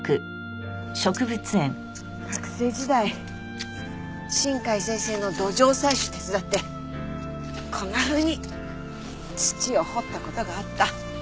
学生時代新海先生の土壌採集手伝ってこんなふうに土を掘った事があった。